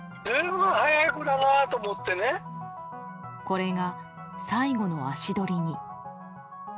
これが最後の足取りに。